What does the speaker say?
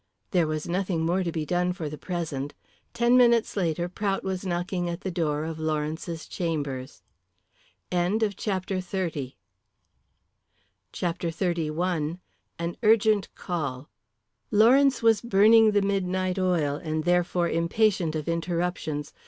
There was nothing more to be done for the present. Ten minutes later Prout was knocking at the door of Lawrence's chambers. CHAPTER XXXI. AN URGENT CALL. Lawrence was burning the midnight oil, and therefore impatient of interruptions.